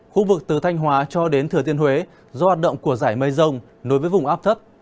khu vực từ thanh hóa cho đến thừa thiên huế do hoạt động của giải mây rông nối với vùng áp thấp